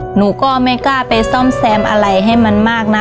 หนูก็ไม่กล้าไปซ่อมแซมอะไรให้มันมากนะ